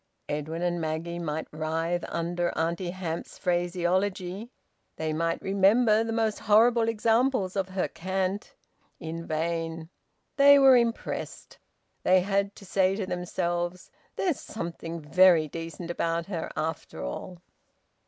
Edwin and Maggie might writhe under Auntie Hamps's phraseology; they might remember the most horrible examples of her cant. In vain! They were impressed. They had to say to themselves: "There's something very decent about her, after all."